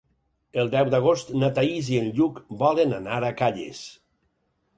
El deu d'agost na Thaís i en Lluc volen anar a Calles.